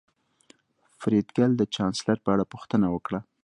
فریدګل د چانسلر په اړه پوښتنه وکړه